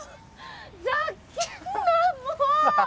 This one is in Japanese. ざけんなもう！